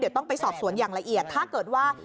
เดี๋ยวต้องไปสอบสวนอย่างละเอียดถ้าเกิดว่า